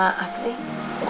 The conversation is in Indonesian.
iya dulu dulu